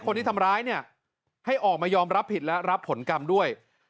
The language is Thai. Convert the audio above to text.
คนที่ทำร้ายเนี่ยให้ออกมายอมรับผิดและรับผลกรรมด้วย